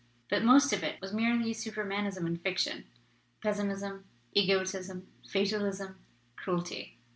But most of it was merely Supermanism in fiction pessimism, egotism, fatal ism, cruelty.